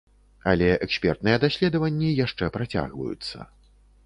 Але экспертныя даследаванні яшчэ працягваюцца.